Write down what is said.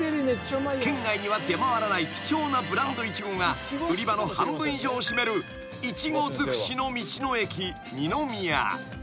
［県外には出回らない貴重なブランドイチゴが売り場の半分以上を占めるイチゴ尽くしの］